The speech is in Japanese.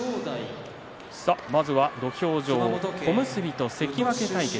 まずは土俵上、小結と関脇対決。